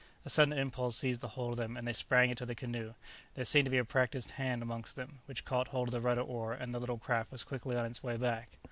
A sudden impulse seized the whole of them, and they sprang into the canoe; there seemed to be a practised hand amongst them, which caught hold of the rudder oar, and the little craft was quickly on its way back.